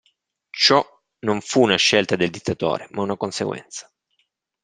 Ciò non fu una scelta del dittatore, ma una conseguenza.